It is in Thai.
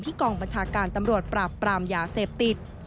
กองบัญชาการตำรวจปราบปรามยาเสพติด